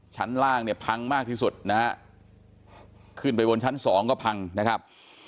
ชั้นล่างเนี่ยพังมากที่สุดนะฮะขึ้นไปบนชั้นสองก็พังนะครับ